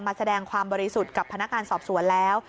แสดงความบริสุทธิ์กับพนักงานสอบสวนแล้ว